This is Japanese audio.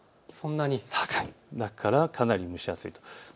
だからかなり蒸し暑いんです。